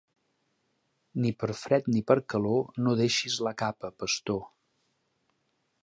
Ni per fred ni per calor, no deixis la capa, pastor.